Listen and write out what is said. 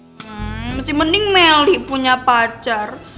hmm mesti mending melih punya pacar